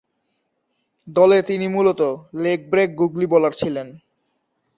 দলে তিনি মূলতঃ লেগ ব্রেক গুগলি বোলার ছিলেন।